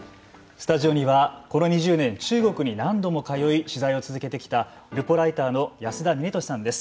スタジオにはこの２０年中国に何度も通い取材を続けてきたルポライターの安田峰俊さんです。